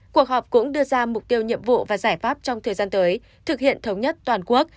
cuộc họp cũng đưa ra mục tiêu nhiệm vụ và giải pháp trong thời gian tới thực hiện thống nhất toàn quốc